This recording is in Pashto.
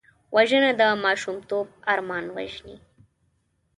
وژنه د ماشومتوب ارمان وژني